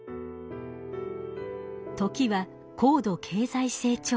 時は高度経済成長期。